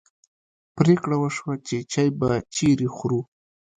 پرېکړه وشوه چې چای به چیرې خورو.